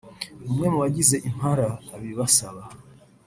umwe mu bagize Impala abibasaba